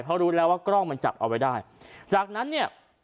เพราะรู้แล้วว่ากล้องมันจับเอาไว้ได้จากนั้นเนี่ย